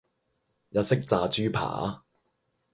日式炸豬扒